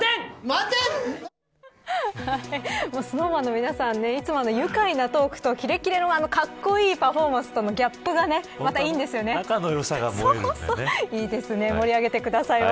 ＳｎｏｗＭａｎの皆さんいつも愉快なトークとキレキレの格好いいパフォーマンスとのギャップが仲のよさが見られますよね。